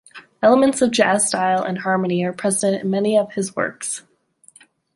Elements of jazz style and harmony are present in many of his works.